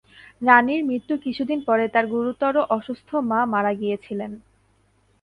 রানির মৃত্যুর কিছুদিন পরে তার গুরুতর অসুস্থ মা মারা গিয়েছিলেন।